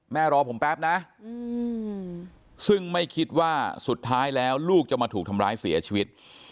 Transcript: รอผมแป๊บนะซึ่งไม่คิดว่าสุดท้ายแล้วลูกจะมาถูกทำร้ายเสียชีวิต